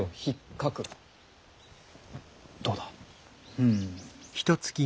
うん。